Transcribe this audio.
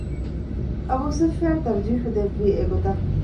އަބޫސުފްޔާނު ތަރްޖީޙު ދެއްވީ އެގޮތަށް